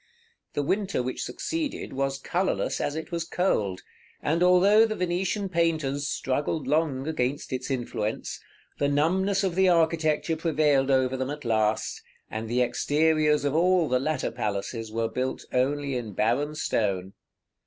The winter which succeeded was colorless as it was cold; and although the Venetian painters struggled long against its influence, the numbness of the architecture prevailed over them at last, and the exteriors of all the latter palaces were built only in barren stone.